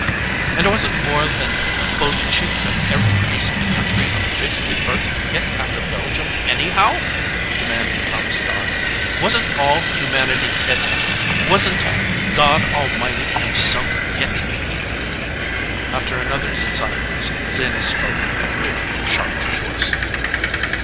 "And wasn t more than both cheeks of every decent country on the face of the earth hit after Belgium, anyhow?" demanded Thomas Dodd. "Wasn t all humanity hit? Wasn t God Al mighty himself hit?" After another silence Zenas spoke in a queer, shocked voice.